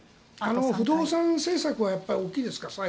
不動産政策は大きいですか？